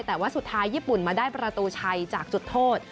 แต่ว่าสุดท้ายญี่ปุ่นมาได้ประตูชัยจากจุดโทษ